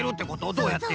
どうやって？